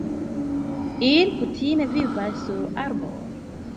Ili kutime vivas sur arboj.